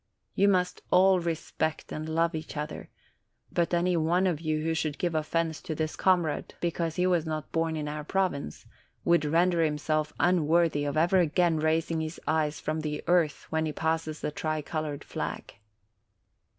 You must all respect and love each other; but any one of you who should give offense to this comrade, because he was not born in our province, would render himself unworthy of ever again raising his eyes from the earth when he passes the tricolored flag."